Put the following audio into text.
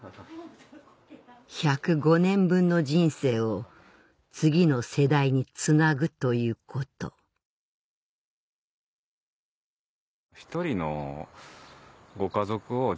１０５年分の人生を次の世代につなぐということやっぱり。